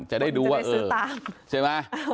ไปซื้อตาม